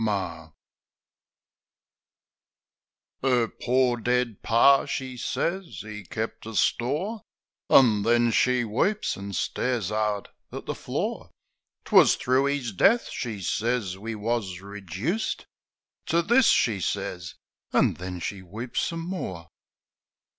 Mar R pore dear Par," she sez, " 'e kept a store ;" An' then she weeps an' stares 'ard at the floor. " 'Twas thro' 'is death," she sez, "we wus rejuiced To this," she sez ... An' then she weeps some more.